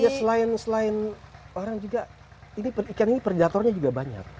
ya selain orang juga ini ikan ini predatornya juga banyak